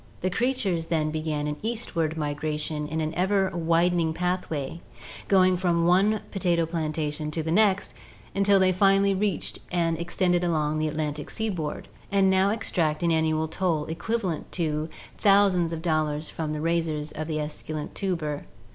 The creatures then began an eastward migration in an ever widening pathway, going from one potato plantation to the next, until they finally reached and extended along the Atlantic seaboard and now extract an annual toll equivalent to thousands of dollars from the raisers of the esculent tuber.